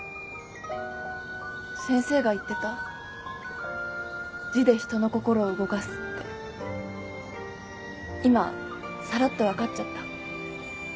先生が言ってた字で人の心を動かすって今さらっと分かっちゃった。